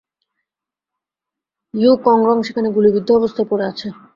You কংরং সেখানে গুলিবিদ্ধ অবস্থায় পড়ে আছে।